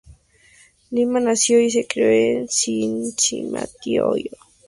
Lima nació y se crio en Cincinnati, Ohio.